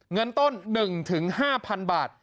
เงินต้น๑๕๐๐๐บาท